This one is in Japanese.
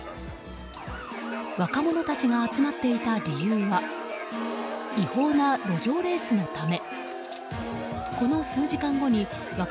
若者たちが集まっていた理由は違法な路上レースのため。